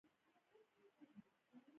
د شفتالو ګل د څه لپاره وکاروم؟